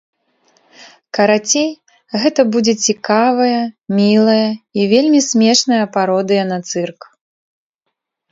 Карацей, гэта будзе цікавая, мілая і вельмі смешная пародыя на цырк.